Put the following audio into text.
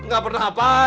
gak pernah apa aja